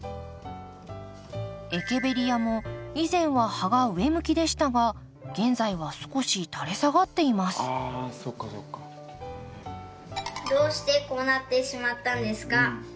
エケベリアも以前は葉が上向きでしたが現在は少し垂れ下がっていますどうしてこうなってしまったんですか？